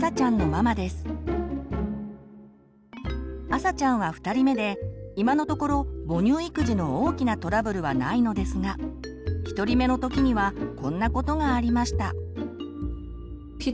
あさちゃんは２人目で今のところ母乳育児の大きなトラブルはないのですが１人目の時にはこんなことがありました。